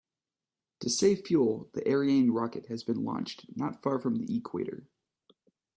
To save fuel, the Ariane rocket has been launched not far from the equator.